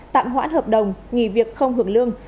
tạm hoãn hợp đồng nghỉ việc không hưởng lương